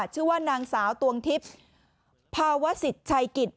ชื่อว่านางสาวตวงทิพย์ภาวะสิทธิ์ชัยกิจ